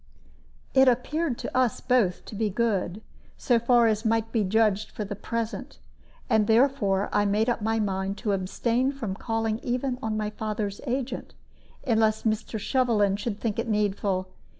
It appeared to us both to be good, so far as might be judged for the present; and therefore I made up my mind to abstain from calling even on my father's agent, unless Mr. Shovelin should think it needful.